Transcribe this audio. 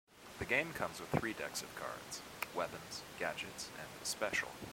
The game comes with three decks of cards: "Weapons", "Gadgets" and "Special".